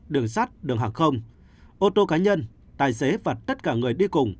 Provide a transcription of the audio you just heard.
đường sắt đường hàng không ô tô cá nhân tài xế và tất cả người đi cùng